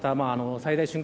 最大瞬間